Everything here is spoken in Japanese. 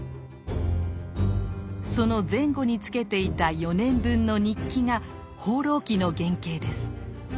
その前後につけていた４年分の日記が「放浪記」の原形です。